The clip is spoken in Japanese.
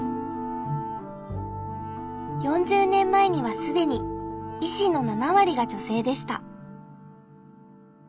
４０年前には既に医師の７割が女性でした。